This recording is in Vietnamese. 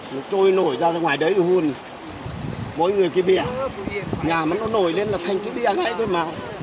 mỗi người cái bìa nhà nó nổi lên là thành cái bìa ngay thôi mà